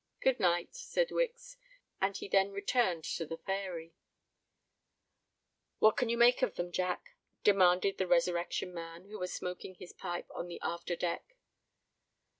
"Good night," said Wicks; and he then returned to the Fairy. "What can you make of them, Jack?" demanded the Resurrection Man, who was smoking his pipe on the after deck.